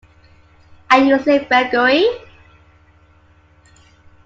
Are you asleep, Gregory?